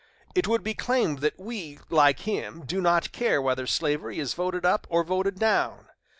It would be claimed that we, like him, do not care whether slavery is voted up or voted down.